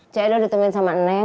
ce udah ditemuin sama nenek